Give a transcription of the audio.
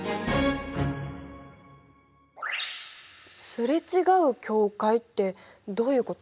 「すれ違う境界」ってどういうこと？